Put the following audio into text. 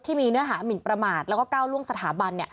เนื้อหามินประมาทแล้วก็ก้าวล่วงสถาบัน